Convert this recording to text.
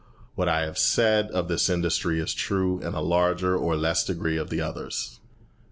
What I have said of this industry is true in a larger or less degree of the others.